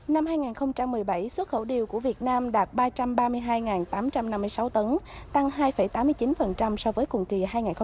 năm hai nghìn một mươi bảy xuất khẩu điều của việt nam đạt ba trăm ba mươi hai tám trăm năm mươi sáu tấn tăng hai tám mươi chín so với cùng kỳ hai nghìn một mươi bảy